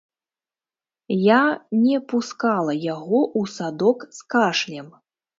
Я не пускала яго ў садок з кашлем.